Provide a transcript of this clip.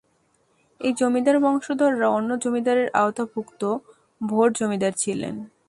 এই জমিদার বংশধররা অন্য জমিদারের আওতাভুক্ত ছোট জমিদার ছিলেন।